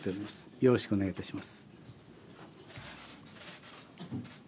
よろしくお願いいたしします。